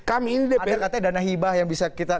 ada katanya dana hibah yang bisa kita